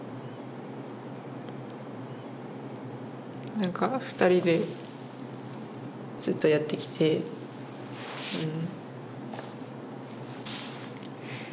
何かふたりでずっとやってきてうん。